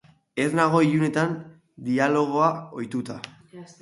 Ez nago ilunetan dialogatzen ohituta.